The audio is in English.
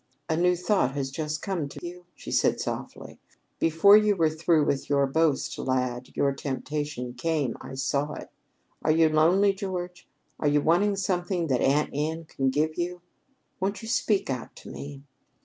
"A new thought has just come to you!" she said softly. "Before you were through with your boast, lad, your temptation came. I saw it. Are you lonely, George? Are you wanting something that Aunt Anne can give you? Won't you speak out to me?"